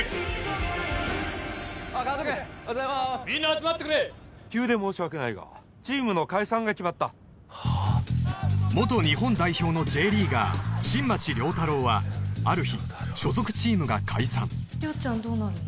みんな集まってくれ急で申し訳ないがチームの解散が決まった元日本代表のＪリーガー新町亮太郎はある日所属チームが解散亮ちゃんどうなるの？